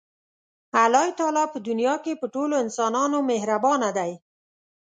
الله تعالی په دنیا کې په ټولو انسانانو مهربانه دی.